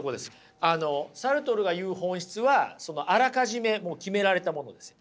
あのサルトルが言う本質はあらかじめ決められたものですよ。